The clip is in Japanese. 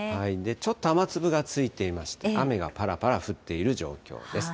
ちょっと雨粒がついていまして、雨がぱらぱら降っている状況です。